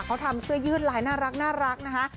เขาทำเสื้อยืดลายน่ารักนะคะ